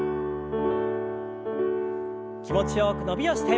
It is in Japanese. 気持ちよく伸びをして。